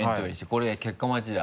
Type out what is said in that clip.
これ結果待ちだ。